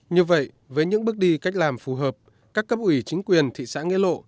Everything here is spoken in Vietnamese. như vậy với những bước đi cách làm phù hợp các cấp ủy chính quyền thị xã nghĩa lộ